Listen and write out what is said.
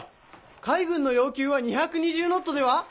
海軍の要求は２２０ノットでは？